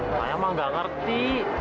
saya mah nggak ngerti